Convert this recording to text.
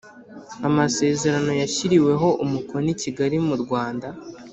Amasezerano yashyiriweho umukono i Kigali mu Rwanda,